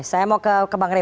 saya mau ke bang rey